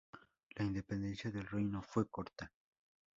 La independencia del reino fue corta.